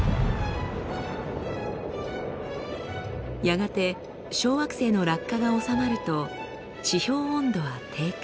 やがて小惑星の落下が収まると地表温度は低下。